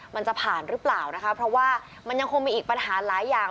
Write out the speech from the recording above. มันจะผ่านหรือเปล่านะคะเพราะว่ามันยังคงมีอีกปัญหาหลายอย่าง